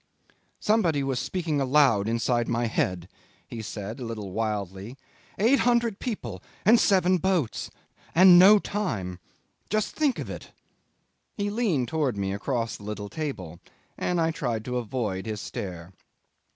'"Somebody was speaking aloud inside my head," he said a little wildly. "Eight hundred people and seven boats and no time! Just think of it." He leaned towards me across the little table, and I tried to avoid his stare.